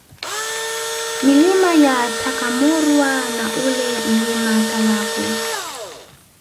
Milima ya Takamorwa na ule Mlima Talagwe